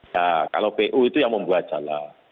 nah kalau pu itu yang membuat jalan